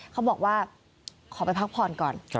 เขาบอกว่าขอไปพักผ่อนก่อน